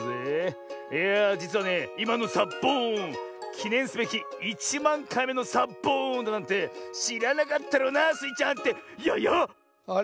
いやあじつはねいまのサッボーンきねんすべき１まんかいめのサッボーンだなんてしらなかったろうなスイちゃんってややっ⁉あれ？